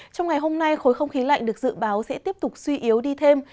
trong ngày hôm nay khối không khí lạnh được dự báo sẽ tiếp tục suy yếu đi thêm